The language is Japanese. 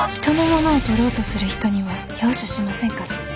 人のものをとろうとする人には容赦しませんから。